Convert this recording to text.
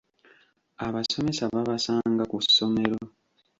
Abasomesa babasanga ku ssomero.